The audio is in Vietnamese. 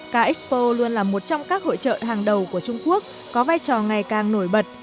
k expo luôn là một trong các hội trợ hàng đầu của trung quốc có vai trò ngày càng nổi bật